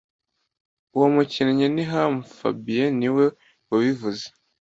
Uwo mukinnyi ni ham fabien niwe wabivuze